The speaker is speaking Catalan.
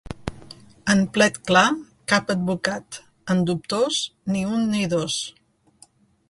En plet clar, cap advocat; en dubtós, ni un ni dos.